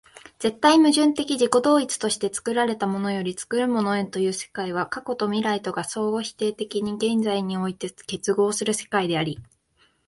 絶対矛盾的自己同一として作られたものより作るものへという世界は、過去と未来とが相互否定的に現在において結合する世界であり、